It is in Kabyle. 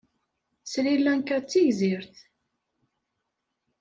Sri Lanka d tigzirt.